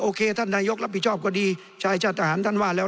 ท่านนายกรับผิดชอบก็ดีชายชาติทหารท่านว่าแล้ว